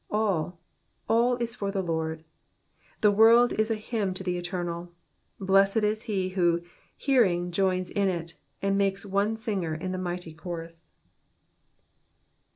All, all is for the Lord ; the world is a hymn to the Eternal, blessed is he who, hearing, joins in it, and makes one singer in the mighty chorus.